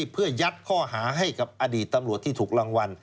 เพื่อยัดข้อหาให้กับอดีตตำรวจที่ถูกรางวัล